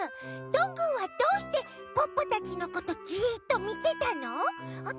どんぐーはどうしてポッポたちのことじっとみてたの？